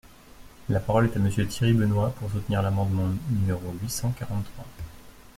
La parole est à Monsieur Thierry Benoit, pour soutenir l’amendement numéro huit cent quarante-trois.